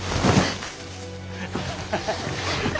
ハハハハハ。